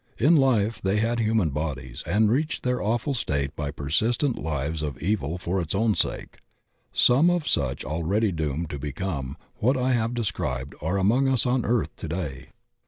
In Me they had human bodies and reached their awful state by persistent lives of evil for its own sake; some of such already doomed to become what I have de scribed are among us on earth to day.